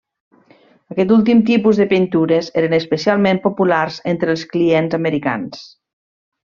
Aquest últim tipus de pintures eren especialment populars entre els clients americans.